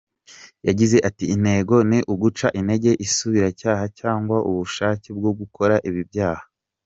Yagize ati “Intego ni uguca intege isubiracyaha cyangwa ubushake bwo gukora ibi byaha.